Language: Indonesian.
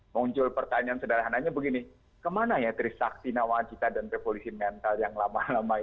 muncul pertanyaan sederhananya begini kemana ya trisakti nawacita dan revolusi mental yang lama lama